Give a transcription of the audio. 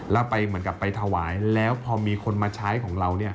แล้วไปเหมือนกับไปถวายแล้วพอมีคนมาใช้ของเรา